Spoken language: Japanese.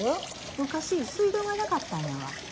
昔水道がなかったんやわ。